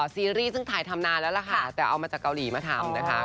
ซีรีส์ซึ่งถ่ายทำนานแล้วล่ะค่ะแต่เอามาจากเกาหลีมาทำนะคะ